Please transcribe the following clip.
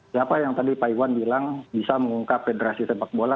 siapa yang tadi pak iwan bilang bisa mengungkap federasi sepak bola